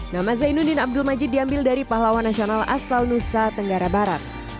nama zainuddin abdul majid diambil dari pahlawan nasional asal nusa tenggara barat